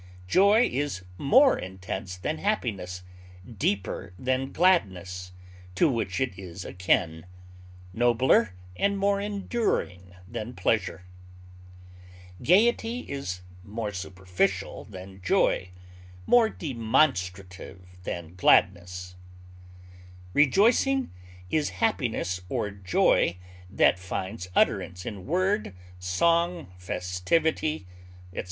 Joy is more intense than happiness, deeper than gladness, to which it is akin, nobler and more enduring than pleasure. Gaiety is more superficial than joy, more demonstrative than gladness. Rejoicing is happiness or joy that finds utterance in word, song, festivity, etc.